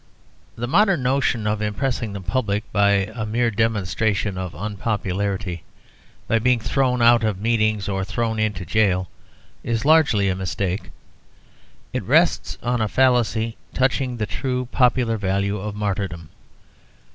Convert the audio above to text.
The modern notion of impressing the public by a mere demonstration of unpopularity, by being thrown out of meetings or thrown into jail is largely a mistake. It rests on a fallacy touching the true popular value of martyrdom.